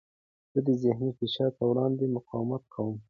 زه د ذهني فشار په وړاندې مقاومت کوم.